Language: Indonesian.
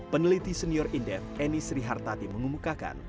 peneliti senior indef eni srihartati mengumumkakan